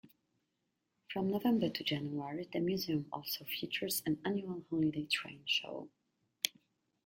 From November to January, the museum also features an annual holiday train show.